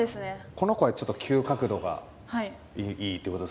この子はちょっと急角度がいいってことですもんね。